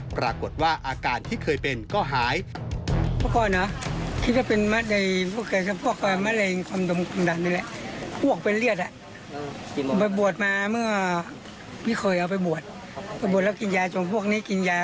ปรากฏว่าอาการที่เคยเป็นก็หาย